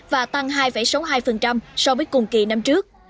và tăng hai sáu mươi hai so với cùng kỳ năm trước